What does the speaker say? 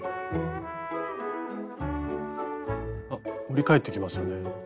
折り返ってきましたね。